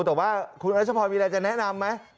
แต่ว่าคุณรัชพรมีอะไรจะแนะนำไหม